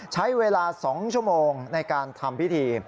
ใช้เวลา๒ชั่วโมงในการทำพิธี